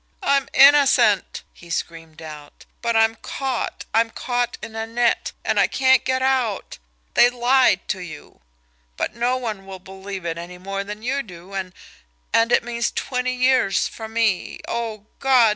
"I'm innocent!" he screamed out. "But I'm caught, I'm caught in a net, and I can't get out they lied to you but no one will believe it any more than you do and and it means twenty years for me oh, God!